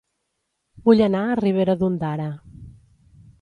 Vull anar a Ribera d'Ondara